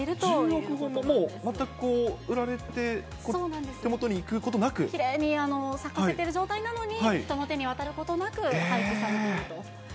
１０億本も、全く売られて手きれいに咲かせている状態なのに、人の手に渡ることなく、廃棄されているんです。